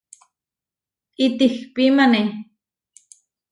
Itihpímane.